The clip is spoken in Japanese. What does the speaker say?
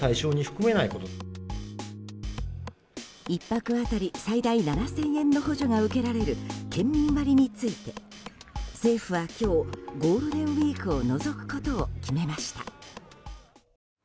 １泊当たり最大７０００円の補助が受けられる県民割について、政府は今日ゴールデンウィークを除くことを決めました。